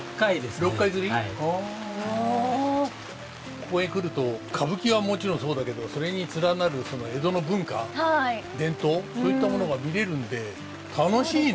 ここへ来ると歌舞伎はもちろんそうだけどそれに連なる江戸の文化伝統そういったものが見れるんで楽しいね。